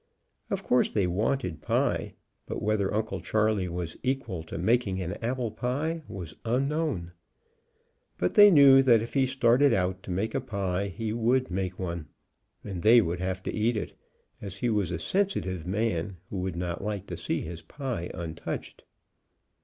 Of course they wanted pie, but whether Uncle Charley was equal to making an apple pie was unknown, but they knew that if he started out to make a pie he would make one, and they would have to eat it, as he was a sensitive man, who would not like to see his pie un touched.